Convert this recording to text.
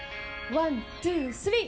ワン・ツー・スリー！